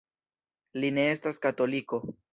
Li ne estas katoliko.